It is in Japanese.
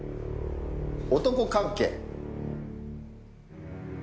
男関係！